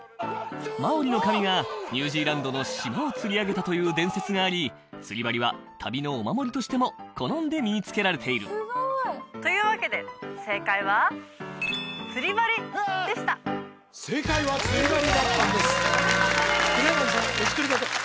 マオリの神がニュージーランドの島を釣り上げたという伝説があり釣り針は旅のお守りとしても好んで身につけられているというわけで正解は「釣り針」でした正解は「釣り針」だったんです黒柳さん